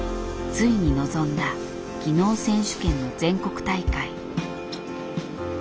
ついに臨んだ技能選手権の全国大会。